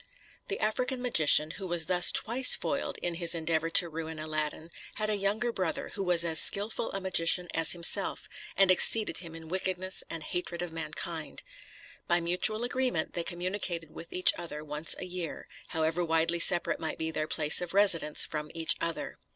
The African magician, who was thus twice foiled in his endeavor to ruin Aladdin, had a younger brother, who was as skilful a magician as himself, and exceeded him in wickedness and hatred of mankind. By mutual agreement they communicated with each other once a year, however widely separate might be their place of residence from each other.